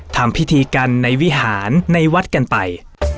ทำพิธีกันในวิหารในวัดกันไป